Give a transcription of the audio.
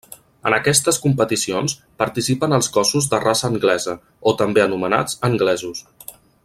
En aquestes competicions participen els gossos de raça anglesa, o també anomenats anglesos.